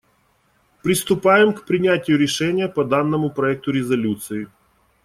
Приступаем к принятию решения по данному проекту резолюции.